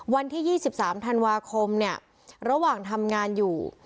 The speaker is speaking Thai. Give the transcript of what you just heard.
วันที่๒๓ธันวาคมเนี่ยระหว่างทำงานอยู่